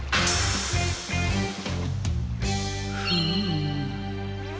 フーム。